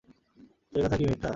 সে কথা কি মিথ্যা?